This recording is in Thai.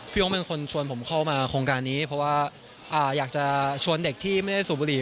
เป็นคนชวนผมเข้ามาโครงการนี้เพราะว่าอยากจะชวนเด็กที่ไม่ได้สูบบุหรี่